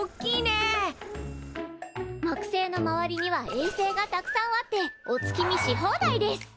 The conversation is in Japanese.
木星の周りには衛星がたくさんあってお月見し放題です。